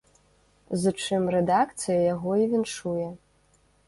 З чым рэдакцыя яго і віншуе!